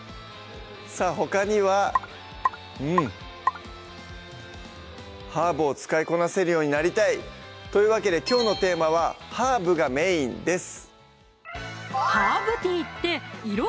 さぁほかにはうんハーブを使いこなせるようになりたいというわけできょうのテーマは「ハーブがメイン」です